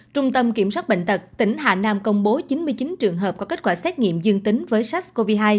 trung tâm kiểm soát bệnh tật tỉnh hà nam công bố chín mươi chín trường hợp có kết quả xét nghiệm dương tính với sars cov hai